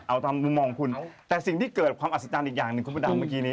เอาตามมุมมองคุณแต่สิ่งที่เกิดความอัศจรรย์อีกอย่างหนึ่งคุณพระดำเมื่อกี้นี้